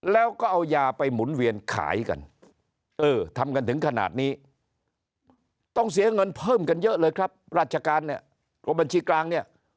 แล้วก็เอายาไปหมุนเวียนขายกันเออทำกันถึงขนาดนี้ต้องเสียเงินเพิ่มกันเยอะเลยครับราชการเนี่ยกรมบัญชีกลางเนี่ย